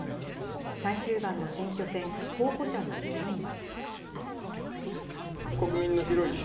最終盤の選挙戦、候補者の４人は。